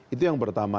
itu yang pertama